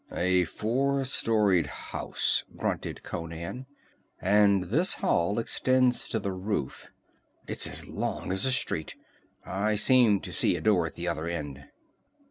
"A four storied house," grunted Conan, "and this hall extends to the roof. It's long as a street. I seem to see a door at the other end."